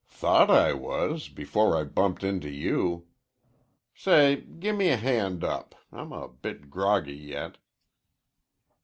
"Thought I was, before I bumped into you. Say, gimme a hand up. I'm a bit groggy yet."